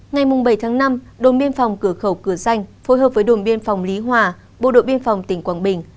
ngày bảy tháng năm đồn biên phòng cửa khẩu cửa danh phối hợp với đồn biên phòng lý hòa bộ đội biên phòng tỉnh quảng bình